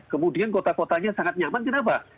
kemudian kota kotanya sangat nyaman kenapa